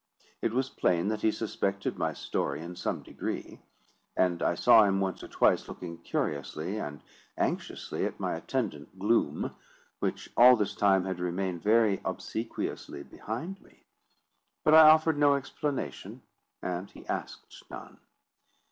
It was plain that he suspected my story in some degree; and I saw him once or twice looking curiously and anxiously at my attendant gloom, which all this time had remained very obsequiously behind me; but I offered no explanation, and he asked none.